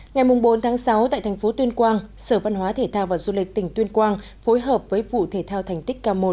ngày bốn sáu tại thành phố tuyên quang sở văn hóa thể thao và du lịch tỉnh tuyên quang phối hợp với vụ thể thao thành tích k một